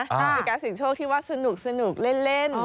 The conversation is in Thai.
มีการเสี่ยงโชคที่ว่าสนุกเล่น